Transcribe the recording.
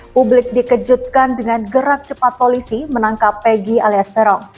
publik dikejutkan dengan gerak cepat polisi menangkap peggy alias peron